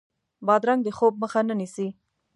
بادرنګ د خوب مخه نه نیسي.